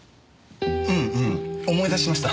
んうん思い出しました。